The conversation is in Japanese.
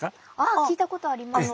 あ聞いたことあります。